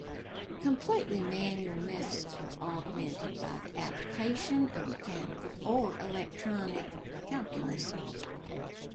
Completely manual methods were augmented by the application of mechanical or electronic calculators.